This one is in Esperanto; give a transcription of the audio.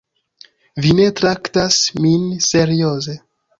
Vi ne traktas min serioze.